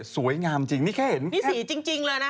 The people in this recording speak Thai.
สวยงามจริงจริงนี่สีจริงเลยนะ